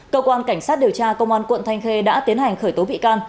cơ quan cảnh sát điều tra công an quận thanh khê đã tiến hành khởi tố bị can